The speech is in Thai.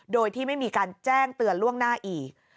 โดยที่ไม่มีการแจ้งเตือนล่วงหน้าอีก